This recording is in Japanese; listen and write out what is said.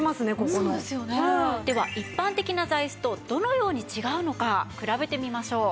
ここの。では一般的な座椅子とどのように違うのか比べてみましょう。